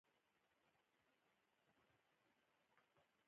اروپا ته په یوه سفر کې هوايي ډګر ته ورغلی و.